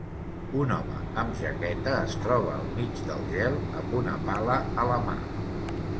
Un home amb jaqueta es troba al mig del gel amb una pala a la mà.